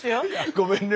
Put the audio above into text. ごめんね。